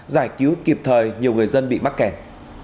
giải cứu kịp thời nhiều người dân bị mắc kẹt